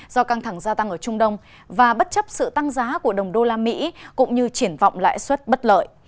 do căng thẳng gia tăng ở trung đông và bất chấp sự tăng giá của đồng đô la mỹ cũng như triển vọng lãi suất bất lợi